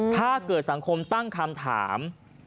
ถ้าเกิดสังคมตั้งคำถาม